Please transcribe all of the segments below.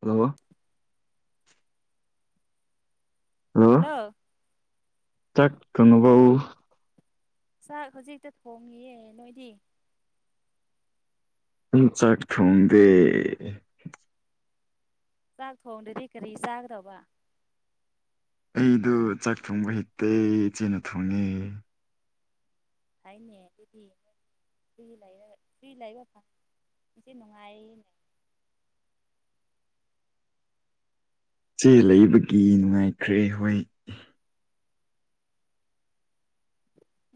hello hello ꯆꯥꯛ ꯊ‌ꯣꯡꯉꯕꯥꯎ ꯆꯥꯛ ꯍꯧꯖꯤꯛꯇ ꯊꯣꯡꯉꯤꯌꯦ ꯅꯣꯏꯗꯤ ꯑꯩ ꯆꯥꯛ ꯊꯣꯡꯗꯦ ꯆꯥꯛ ꯊꯣꯡꯗ꯭ꯔꯗꯤ ꯀꯔꯤ ꯆꯥꯒꯗꯧꯕ ꯑꯩꯗꯣ ꯆꯥꯛ ꯊꯣꯡꯕ ꯍꯩꯇ‌ꯦ ꯏꯆꯦꯅ ꯊꯣꯡꯉꯦ ꯍꯥꯏꯅꯦ ꯑꯗꯨꯗꯤ ꯐ꯭ꯔꯤ ꯂꯩꯔꯒ ꯐ꯭ꯔꯤ ꯂꯥꯏꯕ ꯏꯁꯦ ꯅꯨꯡꯉꯥꯏꯅꯦ ꯆꯦ ꯂꯩꯕꯒꯤ ꯅꯨꯡꯉꯥꯏꯈ꯭ꯔꯦ ꯍꯣꯏ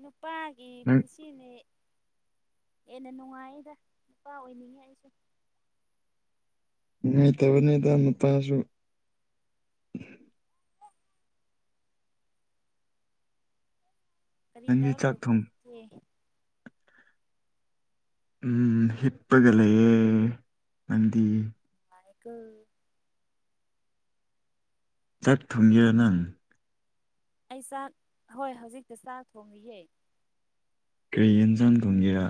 ꯅꯨꯄꯥꯒꯤ ꯅꯪ ꯄꯨꯟꯁꯤ ꯁꯤꯅꯦ ꯍꯦꯟꯅ ꯅꯨꯡꯉꯥꯏꯗ ꯅꯨꯄꯥ ꯑꯣꯏꯅꯤꯡꯉꯦ ꯑꯩꯁꯨ ꯅꯨꯡꯉꯇꯕꯅꯤꯗ ꯅꯨꯄꯥꯁꯨ ꯀꯔꯤ ꯅꯪꯗꯤ ꯇꯧꯔ ꯆꯥꯛ ꯂꯩꯕ꯭ꯔꯥ ꯊꯣꯡ ꯍꯧꯖꯤꯛꯇꯤ ꯎꯝ ꯍꯤꯞꯄꯒ ꯂꯩꯌꯦ ꯅꯪꯗꯤ ꯃꯥꯏꯀ‌ꯣ ꯆꯥꯛ ꯊꯨꯡꯒꯦꯔ ꯅꯪ ꯑꯩ ꯆꯥꯛ ꯍꯣꯏ ꯍꯧꯖꯤꯛꯇ ꯆꯥꯛ ꯊꯣꯡꯔꯤꯌꯦ ꯀꯩ ꯌꯦꯟꯁꯥꯡ ꯊ‌ꯣꯡꯒꯦꯔꯥ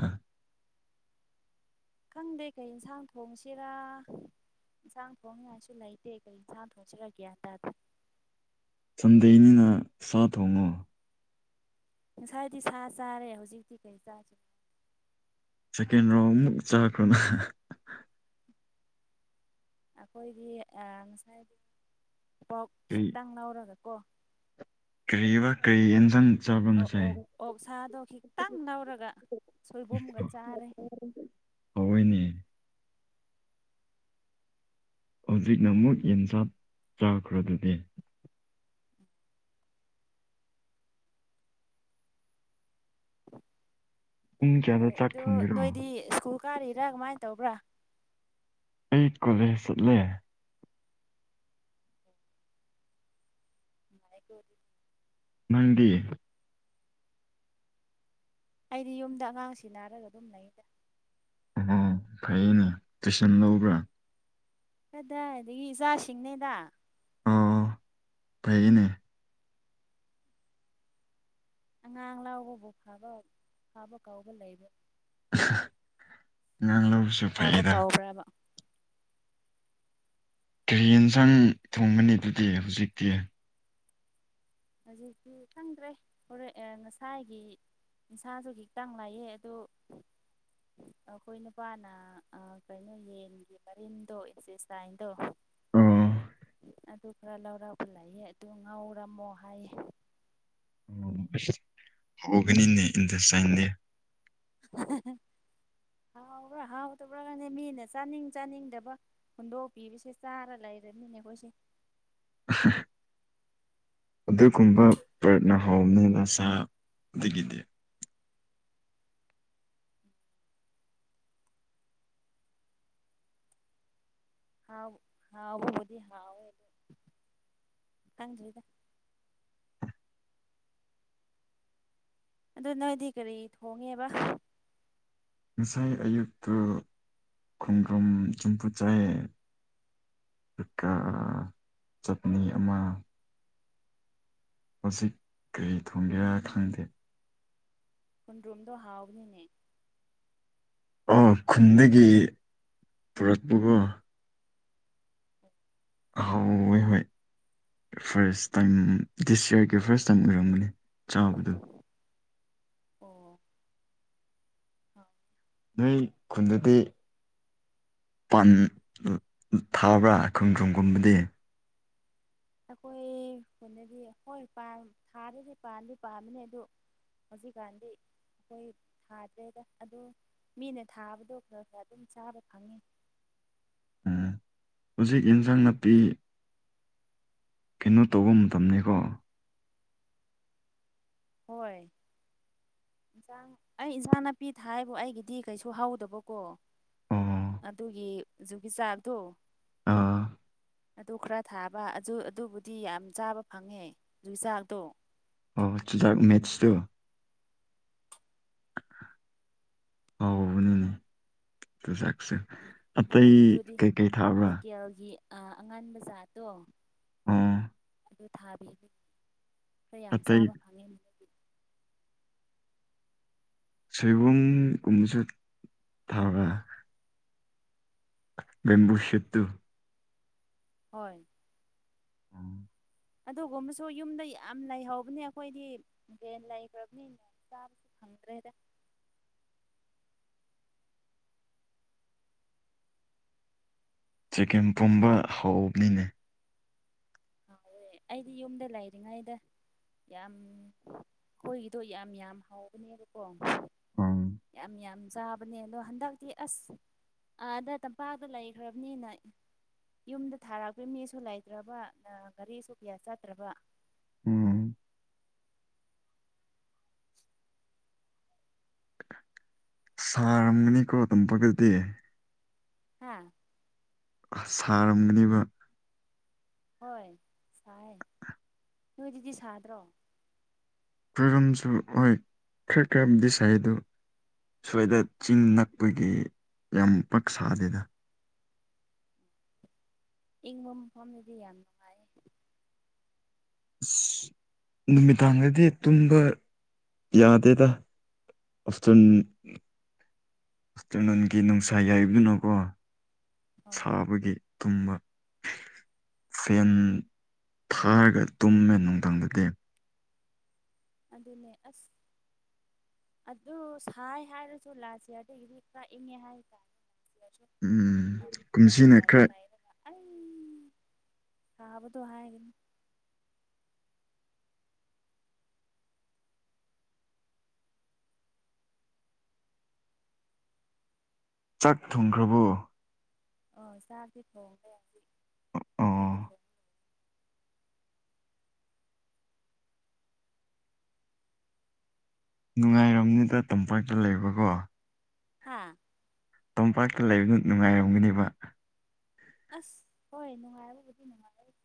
ꯈꯪꯗ‌ꯦ ꯀꯩ ꯌꯦꯟꯁꯥꯡ ꯊꯣꯡꯁꯤꯔꯥ ꯏꯟꯁꯥꯡ ꯊꯣꯡꯅꯤꯡꯉꯥꯏꯁꯨ ꯂꯩꯇꯦ ꯑꯩꯈꯣꯏ ꯏꯟꯁꯥꯡ ꯊꯣꯡꯁꯤꯔ ꯒ꯭ꯌꯥꯟ ꯇꯥꯗ‌ꯦ ꯁꯟꯗ‌ꯦꯅꯤꯅ ꯁꯥ ꯊꯣꯡꯉꯣ ꯉꯁꯥꯏꯗꯤ ꯁꯥ ꯆꯥꯔꯦ ꯍꯧꯖꯤꯛꯇꯤ ꯀꯔꯤ ꯆꯥꯥꯁꯤꯔ ꯁꯦꯀꯦꯟ ꯔꯥꯎꯟ ꯑꯃꯨꯛ ꯆꯥꯈ‍꯭ꯔ‌ꯣꯅ ꯑꯩꯈꯣꯏꯗꯤ ꯑꯥ ꯉꯁꯥꯏꯗꯤ ꯄ‌ꯣꯛ ꯀꯔꯤ ꯈꯤꯇꯪ ꯂꯧꯔꯒ ꯀꯣ ꯀꯔꯤꯕ ꯀꯔꯤ ꯏꯟꯖꯥꯡ ꯑꯣ ꯑꯣ ꯑꯣꯛ ꯁꯥꯗꯣ ꯈꯤꯇꯪ ꯂꯧꯔꯒ ꯁꯣꯏꯕꯨꯝꯒ ꯆꯥꯔꯦ ꯍꯥꯎꯋ‌ꯦꯅꯦ ꯍꯧꯖꯤꯛꯅ ꯑꯃꯨꯛ ꯌꯦꯟꯆꯥꯛ ꯆꯥꯈ꯭ꯔꯗꯨꯗꯤ ꯄꯨꯡ ꯀꯌꯥꯗ ꯍꯣꯏ ꯆꯥꯛ ꯑꯗꯣ ꯊꯣꯡꯒꯦꯔꯣ ꯅꯣꯏꯗꯤ ꯁ꯭ꯀꯨꯜ ꯀꯥꯔꯤꯔꯥ ꯀꯃꯥꯏ ꯇꯧꯕ꯭ꯔꯥ ꯑꯩ ꯀꯣꯂꯦꯖ ꯆꯠꯂꯦ ꯅꯨꯡꯉꯥꯏꯀ‌ꯣ ꯗꯨ ꯅꯪꯗꯤ ꯑꯩꯗꯤ ꯌꯨꯝꯗ ꯑꯉꯥꯡ ꯁꯤꯅꯥꯔꯒ ꯑꯗꯨꯝ ꯂꯩꯗ ꯑꯣ ꯐꯩꯌ‌ꯦꯅꯦ ꯇꯨꯏꯁꯟ ꯂꯧꯕ꯭ꯔꯥ ꯀꯗꯥꯏꯗꯒꯤ ꯏꯆꯥꯁꯤꯡꯅꯦꯗ ꯑ‌ꯣ ꯑ‌ꯣ ꯐꯩꯌ‌ꯦꯅꯦ ꯑꯉꯥꯡ ꯂꯥꯎꯕꯕꯨ ꯐꯥꯕ ꯐꯥꯕ ꯀꯧꯕ ꯂꯩꯕ꯭ꯔꯅ‌ꯦ ꯑꯉꯥꯡꯂꯧꯁꯨ ꯐꯕ ꯀꯥꯎꯕ꯭ꯔꯕ ꯀꯔꯤ ꯑꯦꯟꯁꯥꯡ ꯊꯣꯡꯒꯅꯤ ꯑꯗꯨꯗꯤ ꯍꯧꯖꯤꯛꯇꯤ ꯍꯧꯖꯤꯛꯇꯤ ꯈꯪꯗ꯭ꯔꯦ ꯍꯣꯔꯦꯟ ꯉꯁꯥꯏꯒꯤ ꯏꯟꯁꯥꯁꯨ ꯈꯤꯇꯥꯡ ꯂꯩꯌꯦ ꯑꯗꯨ ꯑꯩꯈꯣꯏ ꯅꯨꯄꯥꯅ ꯀꯩꯅꯣ ꯌꯦꯟꯒꯤ ꯃꯔꯤꯟꯗꯣ ꯏꯟꯆ‌ꯦꯁꯇꯥꯏꯟꯗꯣ ꯑꯣ ꯑꯗꯨ ꯈꯔ ꯂꯧꯔꯕ ꯂꯩꯌꯦ ꯑꯗꯨ ꯉꯥꯎꯔꯝꯃꯣ ꯍꯥꯏꯌꯦ ꯎꯝ ꯑꯁ ꯍꯧꯒꯅꯤꯅꯦ ꯏꯟꯇ‌ꯦꯁ ꯇꯥꯏꯟꯗꯤ ꯍꯥꯎꯕ꯭ꯔꯥ ꯍꯥꯎꯗꯕ꯭ꯔ ꯒꯅꯦ ꯃꯤꯅ ꯆꯥꯅꯤꯡ ꯆꯥꯅꯤꯡꯗꯕ ꯍꯨꯟꯗꯣꯛꯄꯤꯕꯁꯦ ꯆꯥꯔ ꯂꯩꯔꯅꯤꯅꯦꯈꯣꯏꯁꯦ [unintelligible] ꯑꯗꯨꯒꯨꯝꯕ ꯄ꯭ꯔꯠꯅ ꯍꯥꯎꯅꯤꯅ‌ ꯁꯥ ꯗꯒꯤꯗꯤ ꯍꯥꯎ ꯍꯥꯎꯕꯕꯨꯗꯤ ꯍꯥꯎꯋꯦ ꯑꯗꯨ ꯈꯪꯗ꯭ꯔ‌ꯦꯗ ꯑꯗꯨ ꯅꯣꯏꯗꯤ ꯀꯔꯤ ꯊꯣꯡꯉꯦꯕ ꯉꯁꯥꯏ ꯑꯌꯨꯛꯇꯨ ꯈꯨꯡꯒ꯭ꯔꯪ ꯆꯨꯝꯐꯨ ꯆꯥꯏ ꯀꯀꯥ ꯆꯠꯅꯤ ꯑꯃ ꯍꯧꯖꯤꯛ ꯀꯔꯤ ꯊꯣꯡꯒꯦꯔ ꯈꯪꯗꯦ ꯍꯨꯟꯗ꯭ꯔꯨꯝꯗꯣ ꯍꯥꯎꯕꯅꯤꯅꯦ ꯑ ꯈꯨꯟꯗꯒꯤ ꯄꯨꯔꯛꯄꯒꯣ ꯍ ꯍꯥꯎꯣꯏ ꯍꯣꯏ ꯐꯥꯔꯁ ꯇꯥꯏꯝ ꯗꯤꯁ ꯌꯌꯥꯔꯒꯤ ꯐꯥꯔꯁ ꯇꯥꯏꯝ ꯑꯣꯏꯔꯝꯒꯅꯤ ꯆꯥꯕꯗꯨꯣ ꯑꯣ ꯍ ꯅꯣꯏ ꯈꯨꯟꯗꯗꯤ ꯄꯥꯟ ꯊꯥꯕ꯭ꯔꯥ ꯈꯣꯡꯗ꯭ꯨꯔꯝꯒꯨꯝꯕꯗꯤ ꯑꯩꯈꯣꯏ ꯀꯩꯅꯅꯗꯤ ꯍꯣꯏ ꯊꯥꯗꯗꯤ ꯄꯥꯝꯗꯤ ꯄꯥꯝꯝꯕꯅꯦ ꯑꯗꯣ ꯍꯧꯖꯤꯛꯀꯥꯟꯗꯤ ꯑꯩꯈꯣꯏ ꯊꯥꯗ꯭ꯔꯦꯗ ꯑꯗꯣ ꯃꯤꯅ ꯊꯥꯕꯗꯣ ꯅꯣꯏꯅ ꯑꯗꯨꯝ ꯆꯥꯕ ꯐꯪꯉꯤ ꯍꯧꯖꯤꯛ ꯑꯦꯟꯁꯥꯡ ꯅꯥꯄꯤ ꯀꯩꯅꯣ ꯇꯧꯕ ꯃꯇꯝꯅꯤꯀꯣ ꯍꯣꯏ ꯏꯟꯁꯥꯡ ꯑꯩ ꯏꯟꯁꯥꯡ ꯅꯥꯄꯤ ꯊ ꯍꯥꯏꯕꯨ ꯑꯩꯒꯤꯗꯤ ꯀꯩꯁꯨ ꯍꯧꯗꯕꯀꯣ ꯑꯣ ꯑꯗꯨꯒꯤ ꯖꯨꯒꯤ ꯆꯥꯛꯗꯣ ꯑꯥ ꯑꯗꯨ ꯈꯔ ꯊꯥꯕ ꯑꯗꯨ ꯑꯗꯨꯕꯨꯗꯤ ꯌꯥꯝ ꯆꯥꯕ ꯐꯪꯉꯦ ꯌꯨꯆꯥꯛꯗꯣ ꯑꯣ ꯆꯨꯖꯥꯛ ꯃꯦꯠꯁꯇꯣ ꯍꯥꯎꯅꯤꯅꯦ ꯆꯨꯖꯥꯛꯁꯦ ꯑꯇꯩ ꯀꯩꯀꯩ ꯊꯥꯕ꯭ꯔꯥ ꯀꯦꯜꯒꯤ ꯑ ꯑꯉꯥꯟꯕꯖꯥꯠꯇꯣ ꯑꯥ ꯑꯗꯨ ꯊꯥꯕꯤꯔ ꯈꯔ ꯌꯥꯝ ꯑꯇꯩ ꯆꯥꯕ ꯐꯪꯉꯦ ꯁꯣꯏꯕꯝ ꯀꯨꯝꯁꯨ ꯊꯥꯕ ꯕꯝꯕꯨꯁꯠꯇꯨ ꯍꯣꯏ ꯑꯗꯨꯒꯨꯝꯕꯁꯨ ꯌꯨꯝꯗ ꯌꯥꯝ ꯂꯩꯍꯧꯕꯅꯦ ꯑꯩꯈꯣꯏꯗꯤ ꯚꯦꯟ ꯂꯩꯈ꯭ꯔꯕꯅꯤ ꯊꯗ꯭ꯔꯦꯗ ꯆꯀꯦꯝ ꯄꯨꯝꯕ ꯍꯥꯎꯕꯅꯤꯅꯦ ꯍꯥꯎꯋꯦ ꯑꯩꯗꯤ ꯌꯨꯝꯗ ꯂꯩꯔꯤꯉꯩꯗ ꯌꯥꯝ ꯑꯩꯈꯣꯏꯒꯤꯗꯣ ꯌꯥꯝ ꯌꯥꯝ ꯍꯥꯎꯕꯅꯦꯕꯀꯣ ꯎꯝ ꯌꯥꯝ ꯌꯥꯝ ꯆꯥꯕꯅꯦ ꯑꯗꯣ ꯍꯟꯗꯛꯇꯤ ꯑꯁ ꯑꯥ ꯑꯗ ꯇꯝꯄꯥꯛꯇ ꯂꯩꯈ꯭ꯔꯕꯅꯤꯅ ꯌꯨꯝꯗ ꯊꯥꯔꯛꯄ ꯃꯤꯁꯨ ꯂꯩꯇ꯭ꯔꯕ ꯒꯥꯔꯤꯁꯨ ꯀꯌꯥ ꯆꯠꯇ꯭ꯔꯕ ꯎꯝ ꯁꯥꯔꯝꯒꯅꯤꯀꯣ ꯇꯝꯄꯛꯇꯗꯤ ꯍꯥꯥ ꯁꯥꯔꯝꯒꯅꯦꯕ ꯍꯣꯏ ꯁꯥꯏ ꯅꯣꯏꯗꯨꯗꯤ ꯁꯥꯗ꯭ꯔꯣ ꯀꯔꯝꯁꯨ ꯍꯣꯏ ꯈꯔ ꯈꯔꯝꯗꯤ ꯁꯥꯏꯗ ꯁ꯭ꯋꯥꯏꯗ ꯆꯤꯡ ꯅꯛꯄꯒꯤ ꯌꯥꯝ ꯄꯛ ꯁꯥꯗꯦꯗ ꯏꯪꯕ ꯃꯐꯝꯗꯗꯤ ꯌꯥꯝ ꯅꯨꯡꯉꯥꯏ ꯑꯁ ꯅꯨꯃꯤꯗꯥꯡꯗꯗꯤ ꯇꯨꯝꯕ ꯌꯥꯗꯦꯗ ꯑꯣꯁꯇꯟ ꯍꯁꯇꯔꯅꯟꯒꯤ ꯅꯨꯡꯁꯥ ꯌꯥꯏꯕꯗꯨꯅꯀꯣ ꯍꯣꯏ ꯁꯥꯕꯒꯤ ꯇꯨꯝꯕ ꯐꯦꯟ ꯊꯥꯔꯒ ꯇꯨꯝꯃꯦ ꯅꯨꯡꯗꯥꯡꯗꯗꯤ ꯑꯗꯨꯅꯦ ꯑꯁ ꯑꯗꯨ ꯁꯥꯏ ꯍꯥꯏꯔꯁꯨ ꯂꯥꯁ ꯏꯌ꯭ꯔ ꯑꯗꯒꯤꯗꯤ ꯈꯔ ꯏꯉꯦ ꯍꯥꯏꯇꯥꯔꯦ ꯎꯝ ꯏꯁꯁꯨ ꯀꯨꯝꯁꯤꯅ ꯑꯖꯥꯗ ꯈꯔ ꯂꯥꯏꯅ [unintelligible] ꯑꯩ ꯁꯍꯕꯗꯨꯣ ꯍꯥꯏꯥꯏꯅꯤ ꯆꯥꯛ ꯊꯨꯡꯈ꯭ꯔꯕꯣ ꯑꯣ ꯆꯥꯗꯤ ꯊꯣꯡ ꯃꯌꯥꯝꯗꯤ ꯆꯥꯛꯗꯤ ꯑꯣ ꯊꯣꯡ ꯅꯨꯡꯉꯥꯏꯔꯝꯅꯤꯗ ꯇꯝꯄꯥꯛꯇ ꯂꯩꯕꯀꯣ ꯍꯥꯥ ꯇꯣꯝꯄꯥꯛꯇ ꯂꯩꯕꯗꯨ ꯅꯨꯡꯉꯥꯏꯔꯝꯒꯅꯦꯕ ꯑꯁ ꯍꯣꯏ ꯅꯨꯡꯉꯥꯏꯔꯕꯨꯗꯤ ꯅꯨꯡꯉꯥꯏꯔ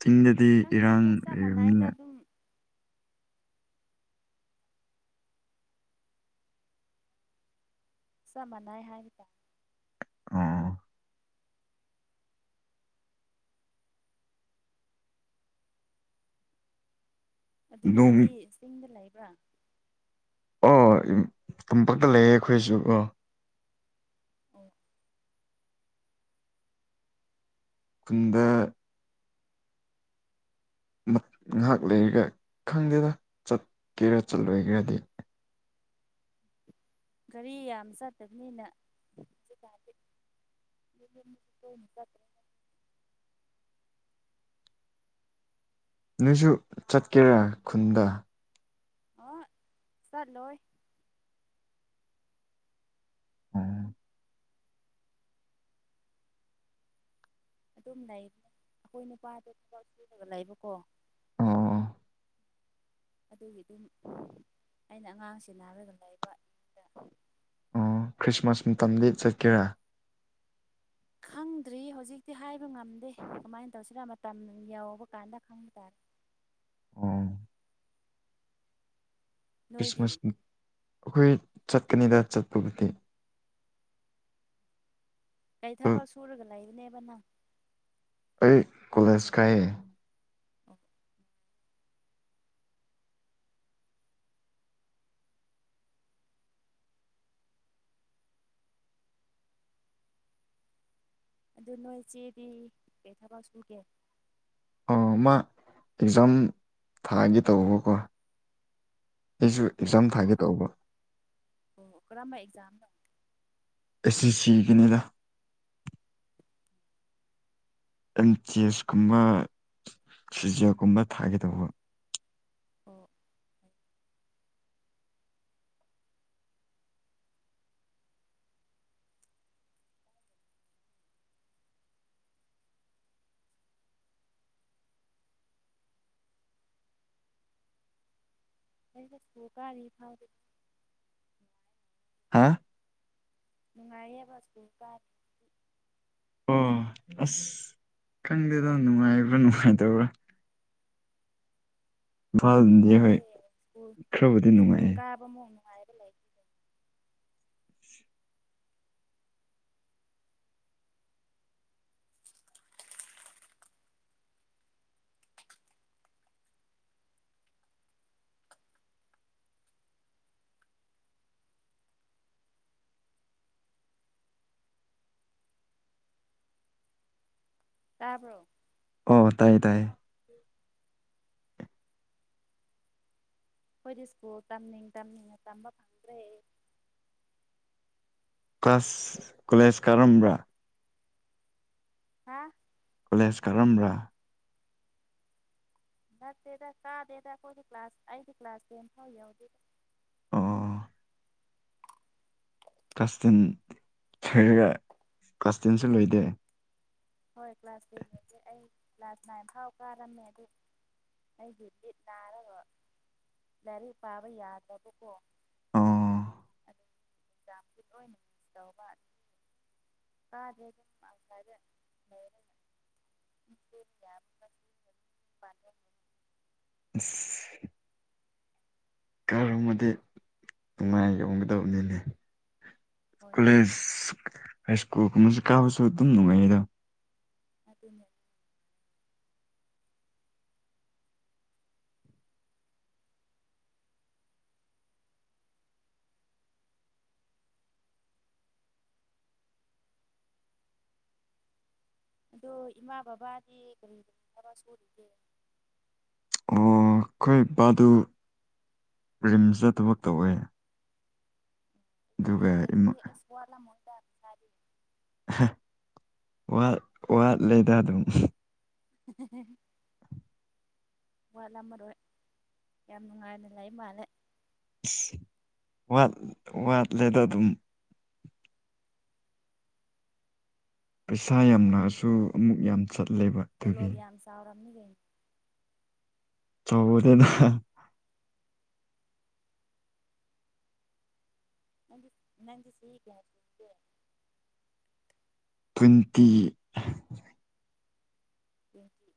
ꯆꯤꯡꯗꯗꯤ ꯏꯔꯥꯡ ꯆꯞ ꯃꯥꯟꯅꯩꯗ ꯂꯩꯔꯕꯅꯤꯅ ꯑꯗꯨꯝ ꯆꯞ ꯃꯥꯟꯅꯥꯏ ꯍꯥꯏꯔꯤꯗ ꯑ ꯑꯗꯨ ꯅꯣꯡ ꯅꯣꯏꯗꯤ ꯆꯤꯡꯗ ꯂꯩꯕ꯭ꯔꯥ ꯑꯣ ꯇꯝꯄꯛꯇ ꯂꯩꯌꯦ ꯑꯩꯈꯣꯏꯁꯨ ꯑꯣ ꯑ ꯀꯟꯗ ꯉꯥꯏꯍꯥꯛ ꯂꯩꯔꯒ ꯈꯪꯗꯦꯗ ꯆꯠꯀꯦꯔ ꯆꯠꯂꯣꯏꯒꯦꯔꯗꯤ ꯒꯥꯔꯤ ꯌꯥꯝ ꯆꯠꯇꯕꯅꯤꯅ ꯑꯗꯨ ꯆꯦ ꯅꯣꯏꯁꯨ ꯆꯠꯀꯦꯔꯥ ꯈꯨꯟꯗ ꯑ ꯆꯠ ꯂꯣꯏ ꯎꯝ ꯑꯗꯨꯝ ꯂꯩꯕ ꯑꯩꯈꯣꯏ ꯅꯨꯄꯥꯗꯣ ꯊꯕꯛ ꯁꯨꯗꯒ ꯂꯩꯕꯀꯣ ꯑꯣ ꯑꯗꯨꯒꯤ ꯑꯗꯨꯝ ꯑꯩꯅ ꯑꯉꯥꯡꯁ ꯅꯅꯥꯔꯒ ꯂꯩꯕꯗ ꯑꯣ ꯈ꯭ꯔꯤꯁꯃꯥꯁ ꯃꯇꯝꯗꯤ ꯆꯠꯀꯦꯔꯥ ꯈꯪꯗ꯭ꯔꯤ ꯍꯧꯖꯤꯛꯇꯤ ꯍꯥꯏꯕ ꯉꯝꯗꯦ ꯀꯃꯥꯏꯅ ꯇꯧꯁꯤꯔꯥ ꯃꯇꯝ ꯌꯧꯕ ꯀꯥꯟꯗ ꯈꯪꯕ ꯇꯥꯔꯦ ꯑꯣ ꯅꯣꯏꯗꯤ ꯈ꯭ꯔꯤꯁꯃꯥꯁ ꯑꯩꯈꯣꯏ ꯆꯠꯀꯅꯤꯗ ꯆꯠꯄꯕꯨꯗꯤ ꯀꯩ ꯊꯕꯛ ꯁꯨꯔꯒ ꯂꯩꯕꯅꯦꯕ ꯅꯪ ꯑꯩ ꯀꯣꯂꯦꯖ ꯀꯌꯦ ꯑꯣꯀ ꯑꯗꯨ ꯅꯣꯏ ꯏꯆꯦꯗꯤ ꯀꯩ ꯊꯕꯛ ꯁꯨꯒꯦ ꯑ ꯃꯥ ꯑꯦꯛꯖꯥꯝ ꯊꯥꯒꯤ ꯇꯧꯕ ꯀꯣ ꯑꯩꯁꯨ ꯑꯦꯛꯖꯥꯝ ꯊꯥꯒꯦ ꯇꯧꯕ ꯑꯣ ꯑꯣ ꯀꯔꯥ ꯑꯦꯛꯖꯝꯗꯣ ꯑꯦꯁ ꯑꯦ ꯁꯤꯒꯤꯅꯤꯗ ꯑꯦꯝ ꯆꯤ ꯑꯦꯁ ꯀꯨꯝꯕ ꯁꯨꯖꯣꯒꯨꯝꯕ ꯊꯥꯒꯦꯗꯧꯕ ꯑꯣ ꯑꯩꯩꯅꯁꯨ ꯀꯔꯤ ꯐꯥꯎꯗ ꯍꯥꯥ ꯅꯨꯡꯉꯥꯏꯌꯦꯦꯕ ꯁ ꯑꯣ ꯑꯁ ꯈꯪꯗꯦꯗ ꯅꯨꯡꯉꯥꯏꯕ꯭ꯔꯥ ꯅꯨꯡꯉꯥꯏꯗꯧꯕ꯭ꯔꯥ ꯏꯝꯐꯥꯜꯗꯤ ꯍꯣꯏ ꯅꯨꯡꯉꯥꯏꯔꯦ ꯁ꯭ꯀꯨꯜ ꯈꯔꯕꯨꯗꯤ ꯁ꯭ꯀꯨꯜ ꯅꯨꯡꯉꯥꯏꯌꯦ ꯀꯥꯕ ꯃꯨꯛ ꯅꯨꯡꯉꯥꯏꯔ ꯂꯩ ꯇꯥꯕ꯭ꯔꯣ ꯑꯣ ꯇꯥꯏꯌꯦ ꯇꯥꯏꯌꯦ ꯑꯩꯈꯣꯏꯗꯤ ꯁ꯭ꯀꯨꯜ ꯇꯝꯅꯤꯡ ꯇꯝꯅꯤꯡꯅ ꯇꯝꯕ ꯐꯪꯗ꯭ꯔꯦ ꯀ꯭ꯂꯥꯁ ꯀꯣꯂꯦꯖ ꯀꯥꯔꯝꯕ꯭ꯔꯥ ꯍꯥ ꯀꯣꯂꯦꯖ ꯀꯥꯔꯝꯕ꯭ꯔꯥ ꯅꯠꯇꯦꯗ ꯀꯥꯗꯦꯗ ꯑꯩꯈꯣꯏꯒꯤ ꯀ꯭ꯂꯥꯁ ꯑꯩꯗꯤ ꯀ꯭ꯂꯥꯁ ꯇꯦꯟ ꯐꯥꯎ ꯌꯥꯎꯗꯦ ꯑꯣ ꯀ꯭ꯂꯥꯁ ꯇꯦꯟ ꯁꯣꯏꯔꯒ ꯀ꯭ꯂꯥꯁ ꯇꯦꯟꯁꯨ ꯂꯣꯏꯗꯦ ꯍꯣꯏ ꯀ꯭ꯂꯥꯁ ꯇꯦꯟꯗꯒꯤꯗꯤ ꯑꯩ ꯀ꯭ꯂꯥꯁ ꯅꯥꯏꯟ ꯐꯥꯎ ꯀꯥꯔꯝꯃꯦ ꯑꯗꯨ ꯑꯩꯗꯤ ꯃꯤꯠ ꯅꯥꯔꯒ ꯂꯥꯏꯔꯤꯛ ꯄꯥꯕ ꯌꯥꯗꯕꯀꯣ ꯑꯣ [unintelligible] ꯇꯥꯗꯦ [inaudible] ꯔꯤꯌꯥ [unintelligible] ꯑꯝ [unintelligible] ꯀꯥꯏꯔꯃꯗꯤ ꯅꯨꯡꯉꯥꯏꯔꯝꯒꯗꯕꯅꯤꯅꯦ ꯍꯣꯏ ꯀꯣꯂꯦꯖ ꯍꯥꯏ ꯁ꯭ꯀꯨꯜ ꯀꯨꯝꯕꯁꯨ ꯀꯥꯕꯁꯨ ꯑꯗꯨꯝ ꯅꯨꯡꯉꯥꯏꯌꯦꯗ ꯑꯗꯨꯅꯦ ꯑꯗꯣ ꯏꯃꯥ ꯕꯕꯥꯗꯤ ꯀꯔꯤ ꯊꯕꯛ ꯁꯨꯔꯤꯒꯦ ꯑꯣ ꯑꯩꯈꯣꯏ ꯄꯥꯗꯨ ꯔꯤꯝꯁꯇ ꯊꯕꯛ ꯇꯧꯋꯦ ꯑꯗꯨꯗꯤ ꯑꯗꯨꯒ ꯏꯃꯥ ꯑꯗꯨꯗꯤ ꯑꯦꯁ ꯋꯥꯠꯂꯝꯃꯣꯏꯗ ꯄꯩꯁꯗꯤ ꯋꯥ ꯋꯥꯠꯂꯦꯗ ꯑꯗꯨꯝ ꯎ [unintelligible] ꯋꯥꯠꯂꯝꯃꯔꯣꯏ ꯌꯥꯝ ꯅꯨꯡꯉꯥꯏꯅ ꯂꯩ ꯃꯥꯜꯂꯦ ꯋꯥꯠ ꯋꯥꯠꯂꯦꯗ ꯑꯗꯨꯝ ꯄꯩꯁꯥ ꯌꯥꯝ ꯂꯥꯛꯑꯁꯨ ꯑꯃꯨꯛ ꯌꯥꯝ ꯆꯠꯂꯦꯕ ꯑꯗꯨꯒꯤ ꯆꯥꯎꯥꯔꯝꯅꯤ ꯀꯩꯅꫭ ꯆꯥꯎꯔꫭꯏꯗꯅ ꯅ ꯅꯪꯗꯤ ꯆꯍꯤ ꯀꯌꯥ ꯁꯨꯔꯒꯦ ꯇ꯭ꯋꯦꯟꯇꯤ [unintelligible]